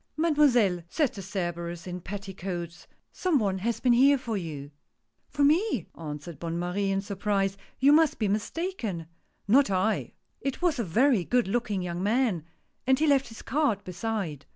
" Mademoiselle !" said the Cerberus in petticoats, " some one has been here for you." "For me?" answered Bonne Marie, in surprise; " you must be mistaken !"" Not I ! It was a very good looking young man, and he left his card beside."